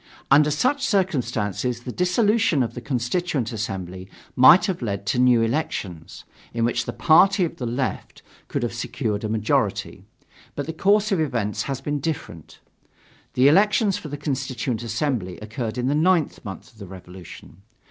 Under such circumstances the dissolution of the Constituent Assembly might have led to new elections, in which the party of the Left could have secured a majority. But the course of events has been different. The elections for the Constituent Assembly occurred in the ninth month of the Revolution.